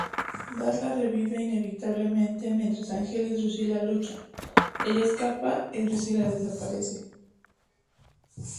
Darla revive inevitablemente mientras Ángel y Drusilla luchan; ella escapa y Drusilla desaparece.